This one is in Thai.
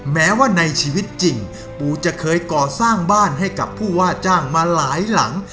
แม้ว่าในชีวิตจริงปูจะเคยก่อสร้างบ้านให้กับผู้ว่าจ้างมาหลายหลัง